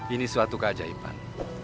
ini suatu keajaiban